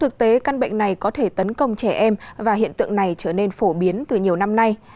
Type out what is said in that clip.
thực tế căn bệnh này có thể tấn công trẻ em và hiện tượng này trở nên phổ biến từ nhiều năm nay